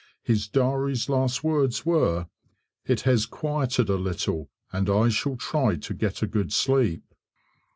His diary's last words were, "It has quieted a little and I shall try to get a good sleep."